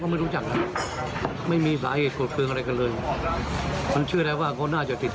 เขาไปมีภารกิจทางประเทศ